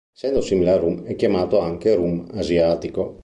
Essendo simile al rum è chiamato anche "rum asiatico".